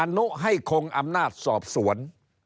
นุให้คงอำนาจสอบสวน